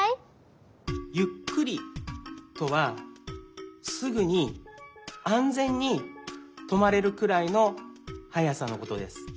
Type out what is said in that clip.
「ゆっくり」とはすぐに安全にとまれるくらいのはやさのことです。